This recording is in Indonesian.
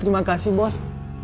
terima kasih bos